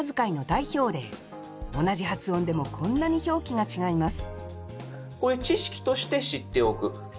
同じ発音でもこんなに表記が違います